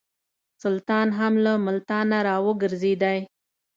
سلطان هم له ملتانه را وګرځېدی.